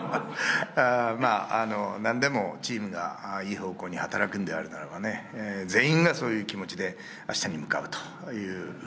まあ何でもチームがいい方向に働くんであればね、全員がそういう気持ちであしたに向かうと。